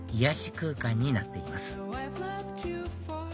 空間になっています